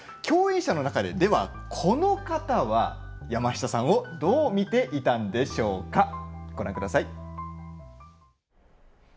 共演者の中でこの方は山下さんをどう見ていたんでしょうか。